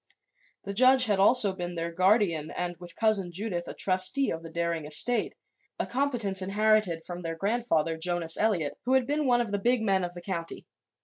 The judge had also been their guardian and, with Cousin Judith, a trustee of the Daring estate a competence inherited from their grandfather, Jonas Eliot, who had been one of the big men of the county.